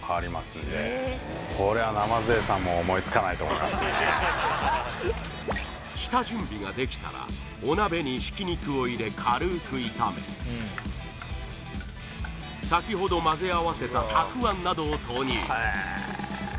これは下準備ができたらお鍋にひき肉を入れ軽く炒めさきほどまぜあわせたたくあんなどを投入